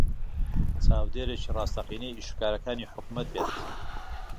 چاودێرێکی ڕاستەقینەی ئیشوکارەکانی حکوومەت بێت